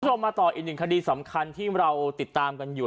มาต่ออีกหนึ่งคดีสำคัญที่เราติดตามกันอยู่